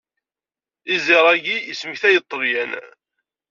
Iẓir agi yesmektay-id Ṭṭelyan.